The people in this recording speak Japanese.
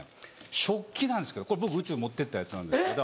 食器なんですけどこれ僕宇宙持ってったやつなんですけど。